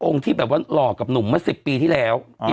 องค์ที่แบบว่าหล่อกับหนุ่มมา๑๐ปีที่แล้ว